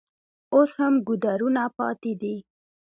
اوس هم ګودرونه پاتې دي.